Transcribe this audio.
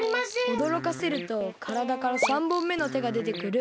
おどろかせるとからだから３ぼんめのてがでてくる。